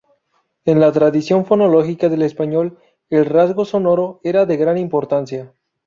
En la tradición fonológica del español, el rasgo sonoro era de gran importancia.